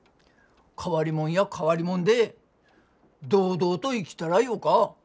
変わりもんや変わりもんで堂々と生きたらよか。